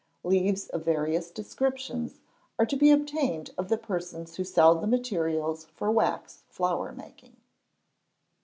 Leaves of various descriptions are to be obtained of the persons who sell the materials for wax flower making.